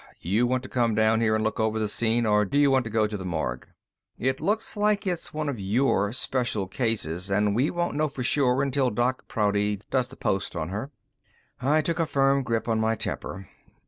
You want to come down here and look over the scene, or you want to go to the morgue? It looks like it's one of your special cases, but we won't know for sure until Doc Prouty does the post on her." I took a firm grip on my temper.